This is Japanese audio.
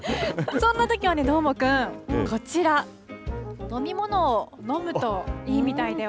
そんなときはね、どーもくん、こちら、飲み物を飲むといいみたいだよ。